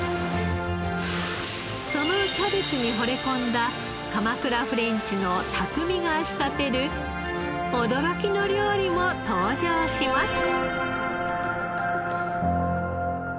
そのキャベツに惚れ込んだ鎌倉フレンチの匠が仕立てる驚きの料理も登場します。